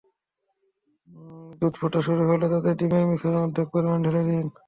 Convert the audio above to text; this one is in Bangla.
দুধ ফোটা শুরু হলে তাতে ডিমের মিশ্রণ অর্ধেক পরিমাণ ঢেলে দিন।